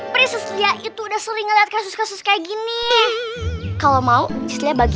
prinses dia itu udah sering lihat kasus kasus kayak gini kalau mau dia bagi uangnya mangga